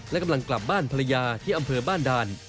และกำลังกลับบ้านภรรยาที่อำเภอบ้านด่าน